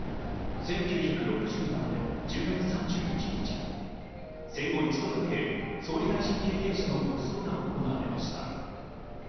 １９６７年１０月３１日、戦後一度だけ、総理大臣経験者の国葬が行われました。